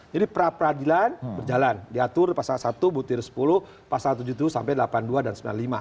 jadi perapradilan berjalan diatur pasal satu butir sepuluh pasal tujuh puluh tujuh sampai delapan puluh dua dan sembilan puluh lima